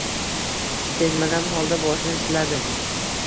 Sezmagan holda boshini siladim